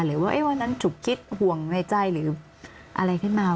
หรือว่าวันนั้นจุกคิดห่วงในใจหรืออะไรขึ้นมา